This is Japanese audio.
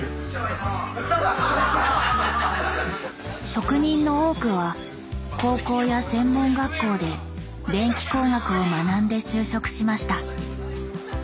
職人の多くは高校や専門学校で電気工学を学んで就職しました。